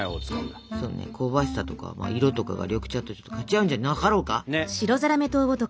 そうね香ばしさとか色とかが緑茶とかち合うんじゃなかろうか。